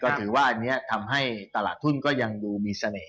ถือว่าอันนี้ทำให้ตลาดทุนก็ยังดูมีเสน่ห